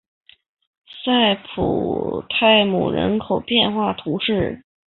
塞普泰姆人口变化图示